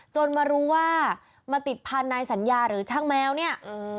มารู้ว่ามาติดพันธุ์นายสัญญาหรือช่างแมวเนี่ย